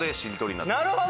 なるほど！